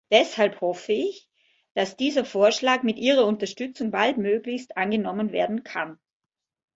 Deshalb hoffe ich, dass dieser Vorschlag mit Ihrer Unterstützung baldmöglichst angenommen werden kann.